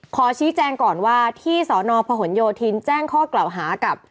ขอชี้แจงก่อนว่าที่สนพหนโยธินแจ้งข้อกล่าวหากับ